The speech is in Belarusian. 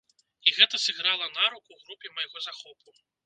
І гэта сыграла на руку групе майго захопу.